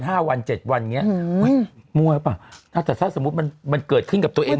ห้าวันเจ็บวันอย่างเงี้ยอืมตัวเองโอ้ยมกับมันเกิดขึ้นกับตัวเอง